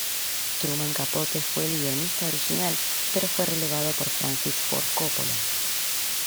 Truman Capote fue el guionista original pero fue relevado por Francis Ford Coppola.